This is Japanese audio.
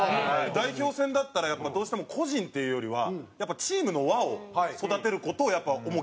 代表戦だったらやっぱどうしても個人っていうよりはやっぱチームの和を育てる事を重きを置くんですね。